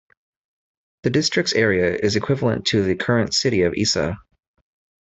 The district's area is equivalent to the current city of Isa.